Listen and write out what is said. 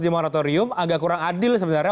di moratorium agak kurang adil sebenarnya